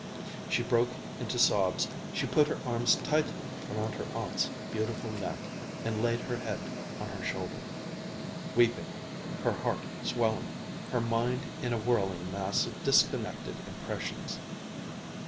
She broke into sobs. She put her arms tightly around her aunt's beautiful neck and laid her head on her shoulder, weeping, her heart swelling, her mind in a whirling mass of disconnected impressions.